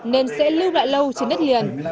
nên sẽ lưu lại lâu trên đất liền